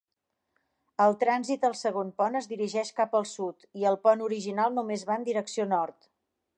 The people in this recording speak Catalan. El trànsit al segon pont es dirigeix cap al sud, i al pont original només va en direcció nord.